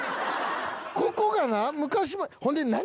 ここがなほんで何？